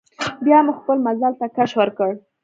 بیا مو خپل مزل ته کش ورکړ.